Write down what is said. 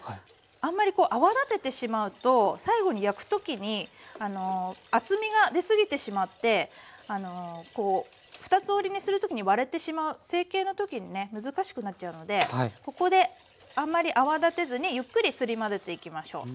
あんまりこう泡立ててしまうと最後に焼く時に厚みが出すぎてしまって二つ折りにする時に割れてしまう成形の時にね難しくなっちゃうのでここであんまり泡立てずにゆっくりすり混ぜていきましょう。